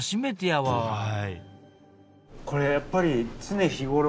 はい。